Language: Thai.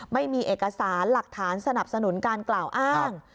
ไม่มีเอกสารหลักฐานสนับสนุนการกล่าวอ้าง